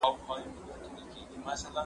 زه بايد مېوې وچوم!